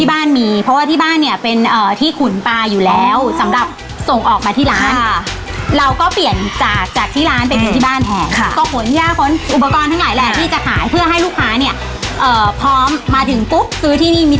อ้าวอีกแล้วน้ำโมเงินมาเงินตากลับมากลับจ้างตรงนี้